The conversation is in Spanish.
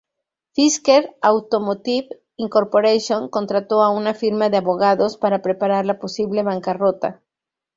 Fisker Automotive, Inc contrató a una firma de abogados para preparar la posible bancarrota.